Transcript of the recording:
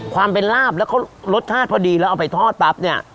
ความเป็นลาบแล้วเขารสชาติพอดีแล้วเอาไปทอดปั๊บเนี่ย